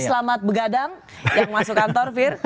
selamat begadang yang masuk kantor fir